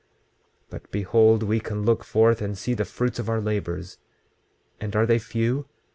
26:31 Now behold, we can look forth and see the fruits of our labors; and are they few?